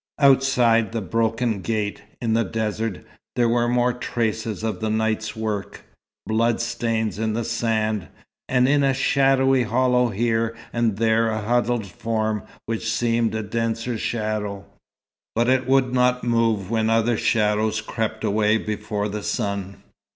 Outside the broken gate, in the desert, there were more traces of the night's work; blood stains in the sand, and in a shadowy hollow here and there a huddled form which seemed a denser shadow. But it would not move when other shadows crept away before the sun.